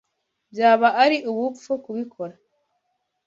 Byaba ari ubupfu kubikora.